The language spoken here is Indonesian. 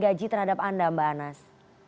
gaji terhadap anda mbak anas